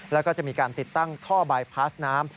แล้วก็จะมีการติดตั้งท่อบายพาสน้ำ